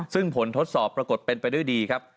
ซึ่งผลทดสอบปรากฏเป็นไปด้วยดีครับ